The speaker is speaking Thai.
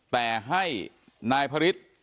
แต่ให้นายภริษต์